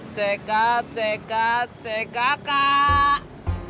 cekat cekat cekakak